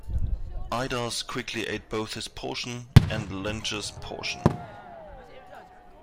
Idas quickly ate both his portion and Lynceus' portion.